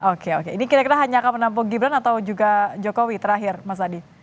oke oke ini kira kira hanya akan menampung gibran atau juga jokowi terakhir mas adi